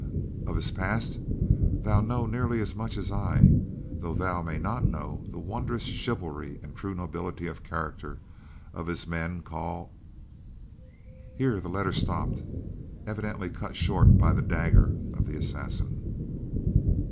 Of his past, thou know nearly as much as I, though thou may not know the wondrous chivalry and true nobility of character of him men call!!!!! Here the letter stopped, evidently cut short by the dagger of the assassin.